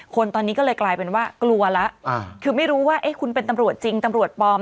คนตอนนี้ก็เลยกลายเป็นว่ากลัวแล้วคือไม่รู้ว่าเอ๊ะคุณเป็นตำรวจจริงตำรวจปลอม